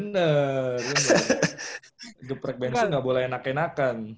itu udah ah bener geprek bensu nggak boleh enak enakan